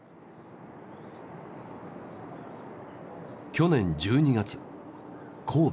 去年１２月神戸。